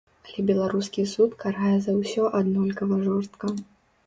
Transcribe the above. Але беларускі суд карае за ўсё аднолькава жорстка.